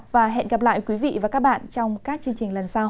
và hẹn gặp lại quý vị và các bạn trong các chương trình lần sau